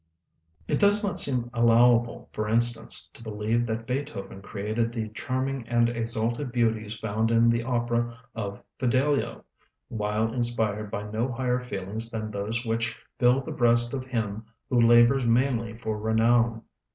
It does not seem allowable, for instance, to believe that Beethoven created the charming and exalted beauties found in the opera of "Fidelio" while inspired by no higher feelings than those which fill the breast of him who labors mainly for renown.